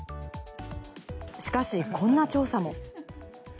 しかし、こんな調査も。